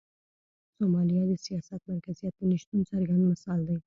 سومالیا د سیاسي مرکزیت د نشتون څرګند مثال دی.